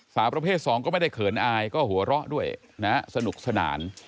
สาวประเภท๒ก็ไม่ได้เขินอายก็หัวเราะด้วยนะสนุกสนาน